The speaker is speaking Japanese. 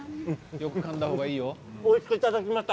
よくかんだ方がいいよ。